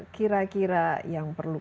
kira kira yang perlu